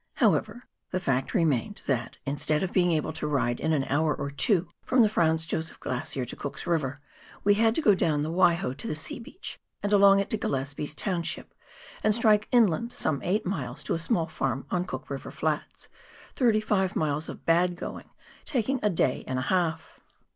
However, the fact remained that, instead of being able to ride in an hour or two from the Franz Josef Glacier to Cook's River, we had to go down the Waiho to the sea beach, and along it to Gillespies township, and strOce inland some eight miles to a small farm on Cook River flats — thirty five miles of bad going, taking a day and a half.